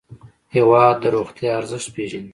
هېواد د روغتیا ارزښت پېژني.